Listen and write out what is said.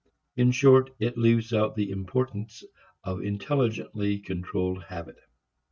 In short, it leaves out the importance of intelligently controlled habit.